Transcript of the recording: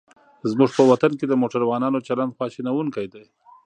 زموږ په وطن کې د موټروانانو چلند خواشینوونکی دی.